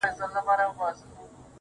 د غيږي د خوشبو وږم له مياشتو حيسيږي.